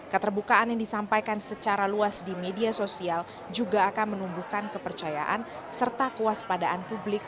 keterbukaan yang disampaikan secara luas di media sosial juga akan menumbuhkan kepercayaan serta kewaspadaan publik